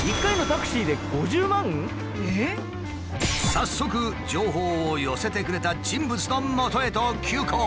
早速情報を寄せてくれた人物のもとへと急行。